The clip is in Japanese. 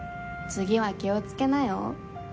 次は気をつけなよ。